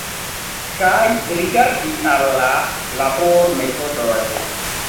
Kaj rigardi al la labormetodoj.